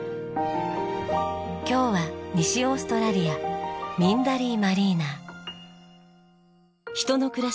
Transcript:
今日は西オーストラリアミンダリーマリーナ。